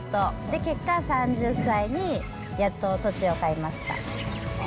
で、結果３０歳にやっと土地を買いました。